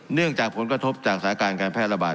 เนื่องจากผลกระทบจากสถานการณ์การแพร่ระบาด